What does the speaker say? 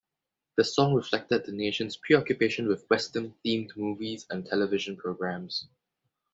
The song reflected the nation's preoccupation with western themed movies and television programs.